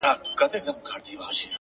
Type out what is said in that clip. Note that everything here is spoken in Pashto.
وخت د ژوند تر ټولو قیمتي امانت دی